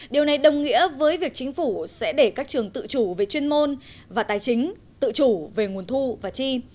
điều này đồng nghĩa với việc chính phủ sẽ để các trường tự chủ về chuyên môn và tài chính tự chủ về nguồn thu và chi